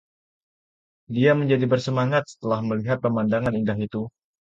Dia menjadi bersemangat setelah melihat pemandangan indah itu.